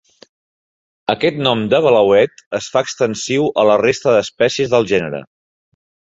Aquest nom de blauet es fa extensiu a la resta d'espècies del gènere.